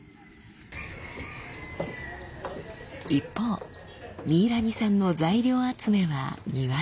一方ミイラニさんの材料集めは庭で。